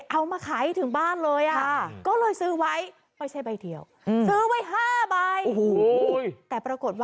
เอามาขายถึงบ้านเลยอ่ะ